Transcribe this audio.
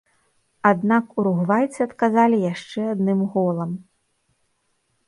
Аднак уругвайцы адказалі яшчэ адным голам.